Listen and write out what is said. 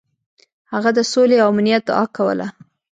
هغه د سولې او امنیت دعا کوله.